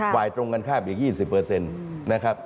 ควายตรงกันคาบอีก๒๐เปอร์เซ็นต์นะครับ